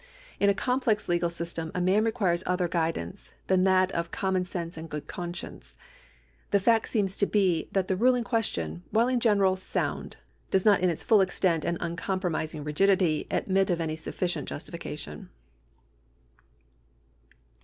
In a complex legal system a man requires other guidance than that of common sense and a good conscience. The fact seems to be that the rule in question, while in general sound, does not in its full extent and uncompromising rigidity admit of any sufficient justification.